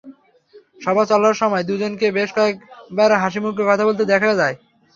সভা চলার সময় দুজনকে বেশ কয়েকবার হাসিমুখে কথা বলতে দেখা যায়।